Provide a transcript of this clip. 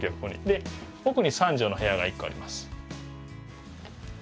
で奥に３畳の部屋が１個あります。